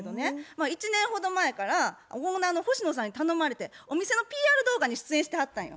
１年ほど前からオーナーの星野さんに頼まれてお店のＰＲ動画に出演してはったんよ。